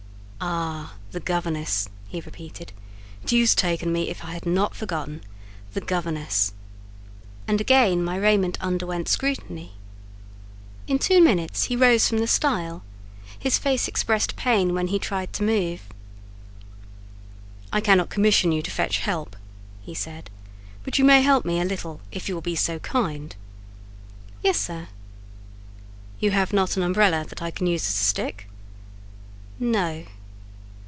"Ah, the governess!" he repeated; "deuce take me, if I had not forgotten! The governess!" and again my raiment underwent scrutiny. In two minutes he rose from the stile: his face expressed pain when he tried to move. "I cannot commission you to fetch help," he said; "but you may help me a little yourself, if you will be so kind." "Yes, sir." "You have not an umbrella that I can use as a stick?" "No."